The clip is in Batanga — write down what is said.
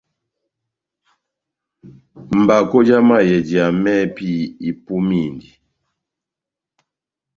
Mbakó já mayɛjiya mɛ́hɛ́pi ipumindi.